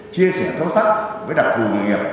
chia sẻ sâu sắc với đặc thù nghề nghiệp